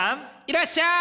いらっしゃい！